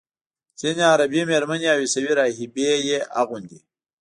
ځینې عربي میرمنې او عیسوي راهبې یې اغوندي.